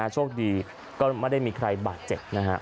โชคดีก็ไม่ได้มีใครบาดเจ็บนะฮะ